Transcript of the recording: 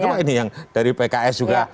cuma ini yang dari pks juga